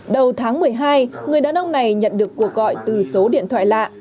đầu tháng một mươi hai người đàn ông này nhận được cuộc gọi từ số điện thoại lạ